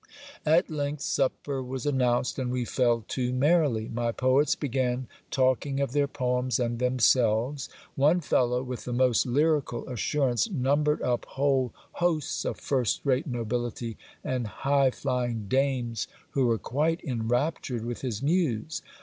At length supper was announced, and we fell to merrily. My poets began talking of their poems and themselves. One fellow, with the most lyrical as surance, numbered up whole hosts of first rate nobility and high flying dames, whow ere quite enraptured with his muse.